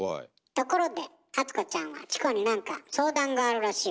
ところで淳子ちゃんはチコに何か相談があるらしいわね。